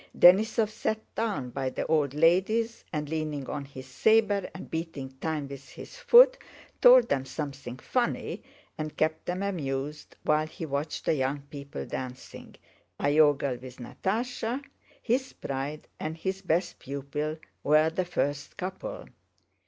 Denísov sat down by the old ladies and, leaning on his saber and beating time with his foot, told them something funny and kept them amused, while he watched the young people dancing, Iogel with Natásha, his pride and his best pupil, were the first couple.